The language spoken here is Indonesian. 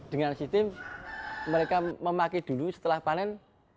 dengan sistem mereka memakai dulu setelah panen